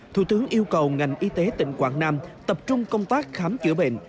thủ tướng yêu cầu ngành y tế tỉnh quảng nam tập trung công tác khám chữa bệnh